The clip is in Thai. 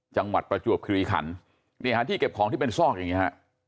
ประจวบคิริขันนี่ฮะที่เก็บของที่เป็นซอกอย่างนี้ฮะ